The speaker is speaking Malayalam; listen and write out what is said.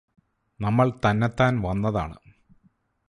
നമ്മള് തന്നത്താന് വന്നതാണ്